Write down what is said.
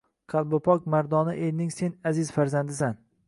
Qalbi pok mardona elning sen aziz farzandisan